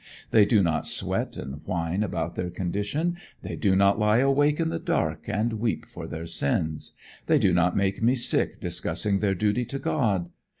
They do not sweat and whine about their condition. They do not lie awake in the dark and weep for their sins. They do not make me sick discussing their duty to God.